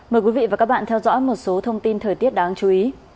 mời quý vị và các bạn theo dõi một số thông tin thời tiết đáng chú ý